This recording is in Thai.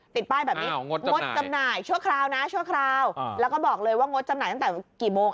ติดป้ายแบบนี้งดจำหน่ายชั่วคราวนะชั่วคราวแล้วก็บอกเลยว่างดจำหน่ายตั้งแต่กี่โมง